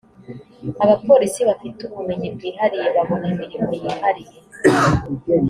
abapolisi bafite ubumenyi bwihariye babona imirimo yihariye